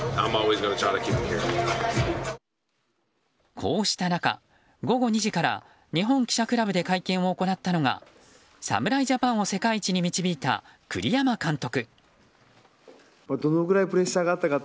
こうした中、午後２時から日本記者クラブで会見を行ったのが侍ジャパンを世界一に導いた栗山監督。